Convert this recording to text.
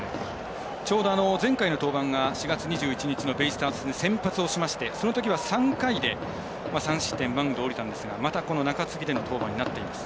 ちょうど前回の登板が４月２１日のベイスターズ戦で先発をしてそのときは３回で３失点マウンドを降りたんですが中継ぎの登板になっています。